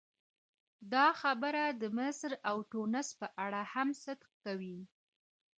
دا خبره د مصر او ټونس په اړه هم صدق کوي.